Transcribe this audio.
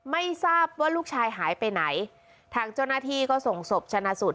ไม่ทราบว่าลูกชายหายไปไหนทางเจ้าหน้าที่ก็ส่งศพชนะสูตร